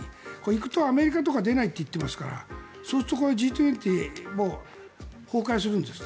行くと、アメリカとか出ないといっていますからそうするとＧ２０も崩壊するんです。